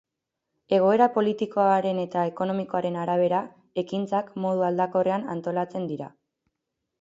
Egoera politikoaren eta ekonomikoaren arabera, ekintzak modu aldakorrean antolatzen dira.